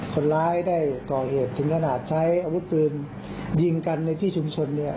คนร้ายได้ก่อเหตุถึงขนาดใช้อาวุธปืนยิงกันในที่ชุมชนเนี่ย